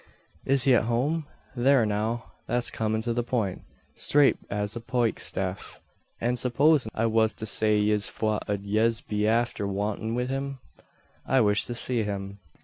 "Is he at home? Thare now, that's comin' to the point straight as a poike staff. An' supposin' I wuz to say yis, fwhat ud yez be afther wantin' wid him?" "I wish to see him."